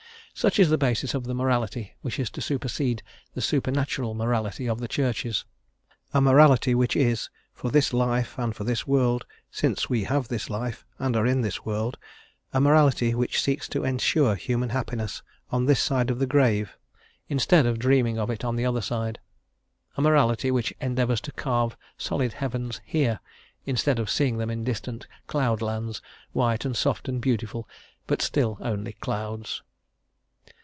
Such is the basis of the morality which is to supersede the supernatural morality of the Churches; a morality which is: for this life and for this world, since we have this life, and are in this world; a morality which seeks to ensure human happiness on this side the grave, instead of dreaming of it on the other side; a morality which endeavours to carve solid heavens here, instead of seeing them in distant cloud lands, white and soft and beautiful, but still only clouds.